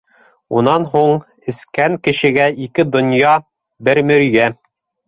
Унан һуң, эскән кешегә ике донъя - бер мөрйә.